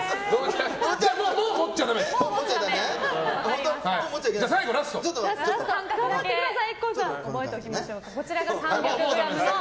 もう持っちゃだめです！